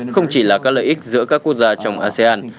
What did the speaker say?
không chỉ là các lợi ích giữa các quốc gia trong asean